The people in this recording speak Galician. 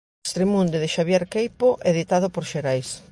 Extramunde, de Xavier Queipo, editado por Xerais.